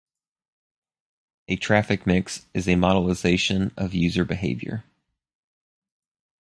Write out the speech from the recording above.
A traffic mix is a modelisation of user behaviour.